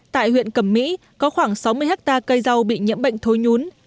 tại huyện cẩm mỹ có khoảng sáu mươi hectare cây rau bị nhiễm bệnh thối nhún